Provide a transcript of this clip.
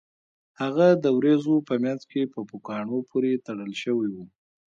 هغه د ورېځو په مینځ کې په پوکاڼو پورې تړل شوی و